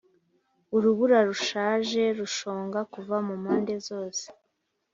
urubura rushaje rushonga kuva kumpande zose,